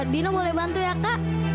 dino boleh bantu ya kak